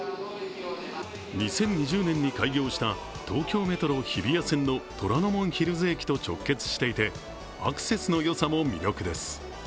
２０２０年に開業した東京メトロ・日比谷線の虎ノ門ヒルズ駅と直結していてアクセスの良さも魅力です。